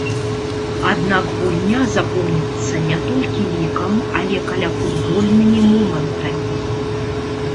Аднак гульня запомніцца не толькі лікам, але каляфутбольнымі момантамі.